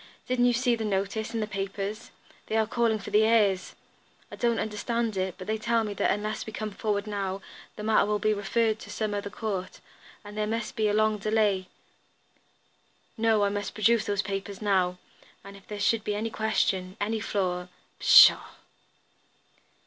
"Didn't you see the notice in the papers? They are calling for the heirs. I don't understand it, but they tell me that unless we come forward now, the matter will be referred to some other court, and then there must be a long delay. No, I must produce those papers now, and if there should be any question, any flaw " "Pshaw!"